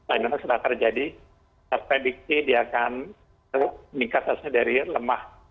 anino sudah terjadi terprediksi dia akan meningkat dari lemah